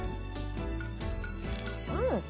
うん！